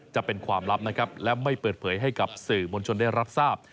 จะเป็นความลับนะครับและไม่เปิดเผยให้กับสื่อมวลชนได้รับทราบ